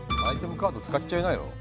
カードつかっちゃいなよ。